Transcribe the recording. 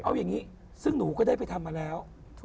เอาอย่างนี้ซึ่งหนูก็ได้ไปทำมาแล้ว